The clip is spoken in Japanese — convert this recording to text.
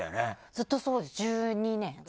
ずっとそうです１２年。